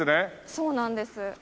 そうなんです。